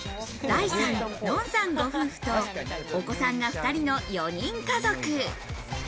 だいさん、のんさんご夫婦と、お子さんが２人の４人家族。